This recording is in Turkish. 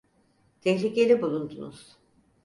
Tehlikeli bulundunuz.